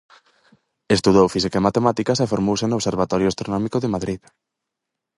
Estudou física e matemáticas e formouse no Observatorio Astronómico de Madrid.